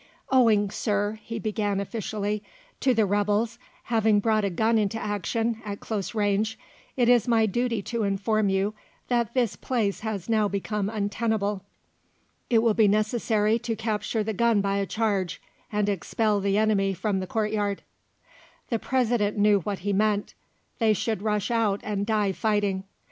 "Owing, Sir," he began officially, "to the rebels having brought a gun into action at close range, it is my duty to inform you that this place has now become untenable. It will be necessary to capture the gun by a charge, and expel the enemy from the courtyard." The President knew what he meant; they should rush out and die fighting.